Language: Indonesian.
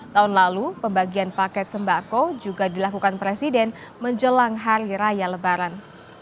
tahun lalu pembagian paket sembako juga dilakukan presiden menjelang hari raya lebaran